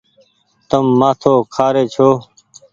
تم مآٿو کآري ڇو۔